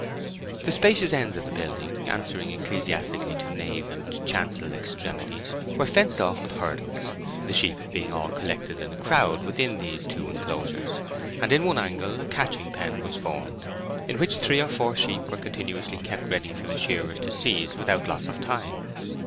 The spacious ends of the building, answering ecclesiastically to nave and chancel extremities, were fenced off with hurdles, the sheep being all collected in a crowd within these two enclosures; and in one angle a catching pen was formed, in which three or four sheep were continuously kept ready for the shearers to seize without loss of time.